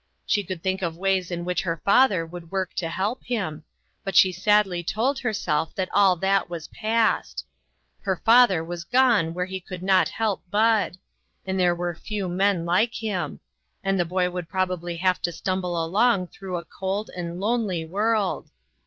She could think of ways in which her father would work to help him, but she sadly told herself that all that was passed ; her father was gone where he could not help Bud, and there were few men like him ; and the boy would probably have to stumble along through a cold and lonely world.